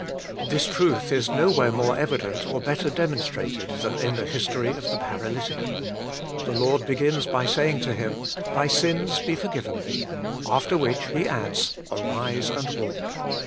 This truth is nowhere more evident or better Jenwpatratpd than in the history DIVINE EEALrSQ, of tfoe paralytie. The Lord begins by say ing to him, "Thy sins be forgiven thee," after which He adds, "Arise and walk."